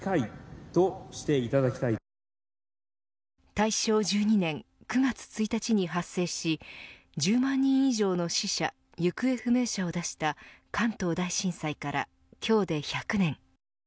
大正１２年９月１日に発生し１０万人以上の死者行方不明者を出した関東大震災から今日で１００年。